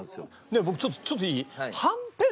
ねえちょっといい？